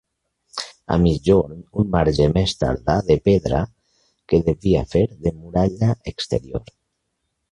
A migjorn, un marge més tardà de pedra que devia fer de muralla exterior.